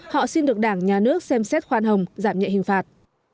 họ xin được đảng nhà nước xem xét khoan hồng giảm nhẹ hình phạt